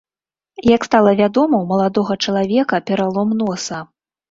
Як стала вядома, у маладога чалавека пералом носа.